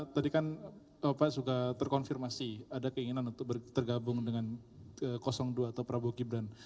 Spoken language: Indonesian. tadi kan pak suka terkonfirmasi ada keinginan untuk bergabung dengan dua atau prabowo gibran